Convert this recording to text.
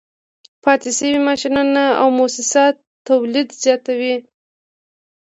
پاتې شوي ماشینونه او موسسات تولید زیاتوي